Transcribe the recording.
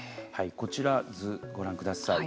こちら、図、ご覧ください。